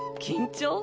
緊張？